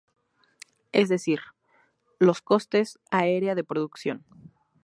Es decir, los costes área de producción.